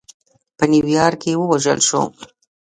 په نیویارک کې ووژل شو.